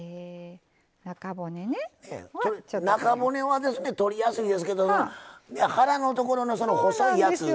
中骨はですね取りやすいですけど腹のところのその細いやつ。